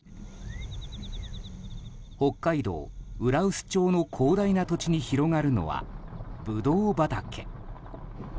北海道浦臼町の広大な土地に広がるのはブドウ畑。